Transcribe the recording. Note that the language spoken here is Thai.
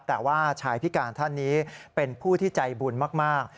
แต่ว่าชายพิการท่านนี้เป็นผู้ที่ใจบุญมาก